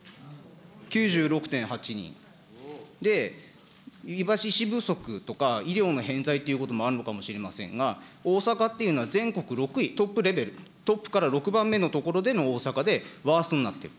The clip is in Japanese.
９６．８人、医師不足とか、医療の偏在ということもあるのかもしれませんが、大阪っていうのは、全国６位、トップレベル、トップから６番目の所での大阪でワーストになっている。